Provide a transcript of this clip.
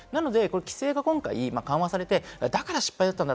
規制が今回緩和されて、だから失敗だったんだ。